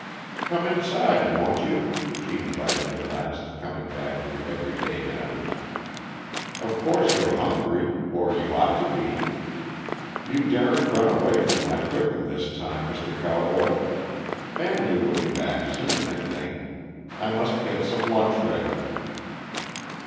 "Come inside, won't you?" she invited at last, coming back to everyday matters. "Of course you're hungry or you ought to be. You daren't run away from my cooking this time, Mr. Cowboy. Manley will be back soon, I think. I must get some lunch ready."